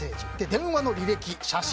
電話の履歴、写真。